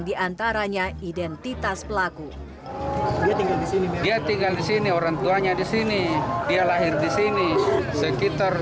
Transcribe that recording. diantaranya identitas pelaku tinggal di sini orang tuanya di sini dia lahir di sini sekitar